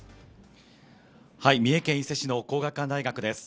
三重県伊勢市の皇學館大学です。